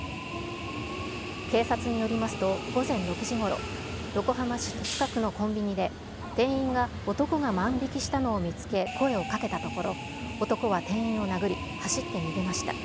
警察によりますと、午前６時ごろ、横浜市戸塚区のコンビニで店員が男が万引きしたのを見つけ、声をかけたところ、男は店員を殴り、走って逃げました。